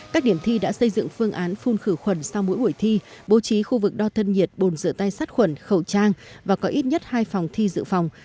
các điểm thi đã xây dựng phương án phun khử khuẩn sau mỗi buổi thi bố trí khu vực đo thân nhiệt bồn rửa tay sát khuẩn khẩu trang và có ít nhất hai phòng thi dự phòng